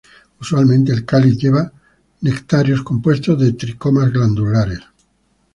Usualmente el cáliz lleva nectarios compuestos de tricomas glandulares.